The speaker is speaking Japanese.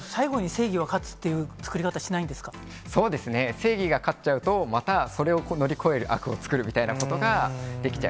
正義が勝っちゃうと、またそれを乗り越える悪を作るみたいなことができちゃう。